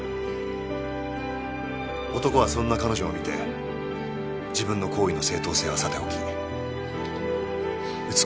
「男はそんな彼女を見て自分の行為の正当性はさておき美しいと思った」